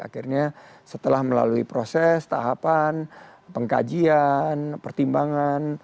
akhirnya setelah melalui proses tahapan pengkajian pertimbangan